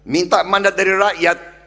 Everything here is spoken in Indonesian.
minta mandat dari rakyat